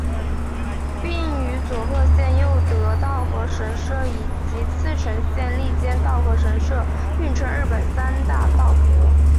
并与佐贺县佑德稻荷神社以及茨城县笠间稻荷神社并称日本三大稻荷。